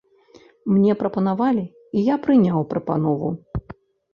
Мне прапанавалі, і я прыняў прапанову.